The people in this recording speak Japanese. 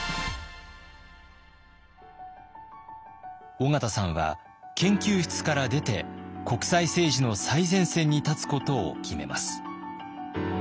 緒方さんは研究室から出て国際政治の最前線に立つことを決めます。